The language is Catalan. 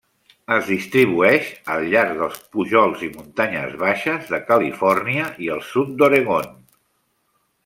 Es distribueix al llarg dels pujols i muntanyes baixes de Califòrnia i el sud d'Oregon.